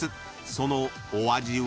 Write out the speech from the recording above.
そのお味は？］